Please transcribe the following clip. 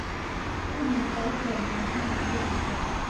timu ya taifa la argentina ni kubwa kisoka